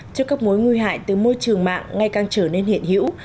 trước các mối nguy hại từ môi trường mạng ngày càng trở nên hiện hữu